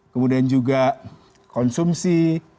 kemudian juga konsumsi